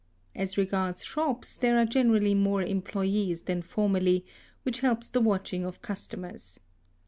As regards shops, there are generally more employés than formerly, which helps the watching of customers.